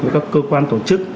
với các cơ quan tổ chức